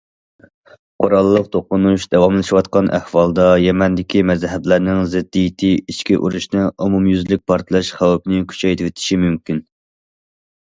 قوراللىق توقۇنۇش داۋاملىشىۋاتقان ئەھۋالدا، يەمەندىكى مەزھەپلەرنىڭ زىددىيىتى ئىچكى ئۇرۇشىنىڭ ئومۇميۈزلۈك پارتلاش خەۋپىنى كۈچەيتىۋېتىشى مۇمكىن.